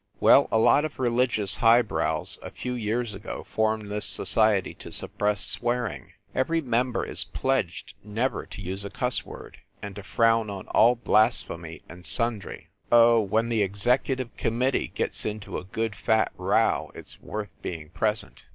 Well, a lot of religious high brows, a few years ago, formed this society to suppress swearing. Every member is pledged never to use a cuss word, and to frown on all blasphemy and sundry. Oh, when the executive committee gets into a good, fat row, it s worth being present.